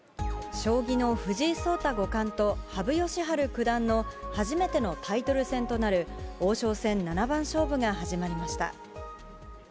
将棋の藤井聡太五冠と羽生善治九段の初めてのタイトル戦となる、王将戦七番勝負が始まりました。